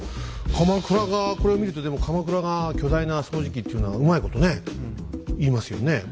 鎌倉がこれを見るとでも鎌倉が巨大な掃除機っていうのはうまいことね言いますよね。